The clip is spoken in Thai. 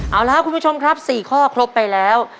เอาละครับคุณผู้ชมครับ๔ข้อครบไปแล้ว